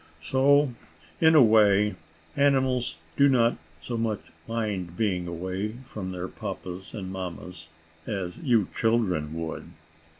So, in a way, animals do not so much mind being away from their papas and mammas as you children would.